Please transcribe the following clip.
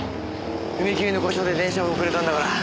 踏切の故障で電車が遅れたんだから。